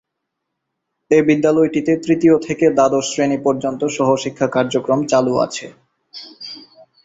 এ বিদ্যালয়টিতে তৃতীয় থেকে দ্বাদশ শ্রেনি পর্যন্ত সহশিক্ষা কার্যক্রম চালু আছে।